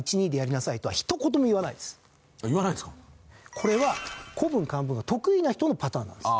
これは古文・漢文が得意な人のパターンなんですよ。